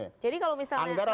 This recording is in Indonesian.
jadi kalau misalnya